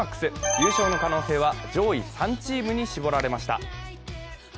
優勝の可能性は上位３チームに絞られました。